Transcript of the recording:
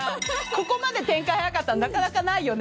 ここまで展開早かったのなかなかないよね？